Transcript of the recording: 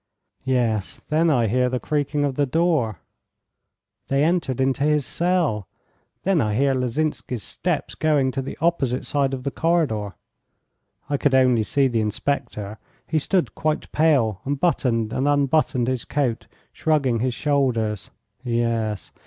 Yes. Then I hear the creaking of the door; they entered into his cell. Then I hear Lozinsky's steps going to the opposite side of the corridor. I could only see the inspector. He stood quite pale, and buttoned and unbuttoned his coat, shrugging his shoulders. Yes.